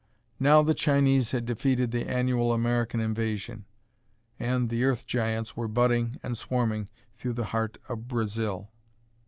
Now the Chinese had defeated the annual American invasion, and the Earth Giants were budding and swarming through the heart of Brazil.